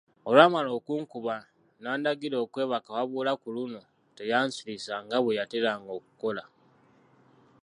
Olwamala okunkuba n'andagira okwebaka wabula ku luno teyansirisa nga bwe yateranga okukola.